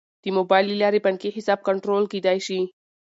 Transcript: د موبایل له لارې بانکي حساب کنټرول کیدی شي.